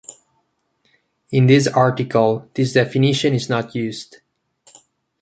In this article this definition is not used.